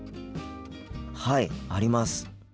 はいあります。